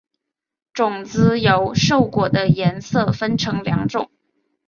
种子由瘦果的颜色分成两种。